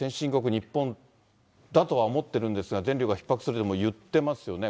日本だとは思ってるんですが、電力がひっ迫するって、でも言ってますよね。